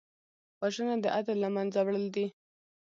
وژنه د عدل له منځه وړل دي